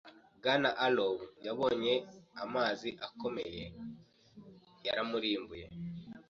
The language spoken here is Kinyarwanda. Bwana Arrow yabonye amazi akomeye yamurimbuye.